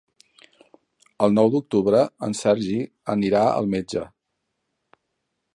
El nou d'octubre en Sergi anirà al metge.